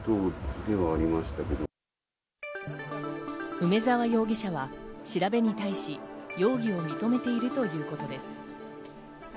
梅沢容疑者は調べに対し、容疑を認めているということです。